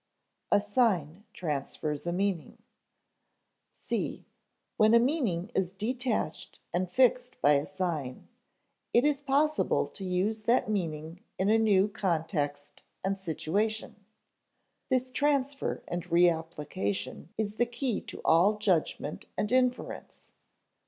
[Sidenote: A sign transfers a meaning] (c) When a meaning is detached and fixed by a sign, it is possible to use that meaning in a new context and situation. This transfer and reapplication is the key to all judgment and inference.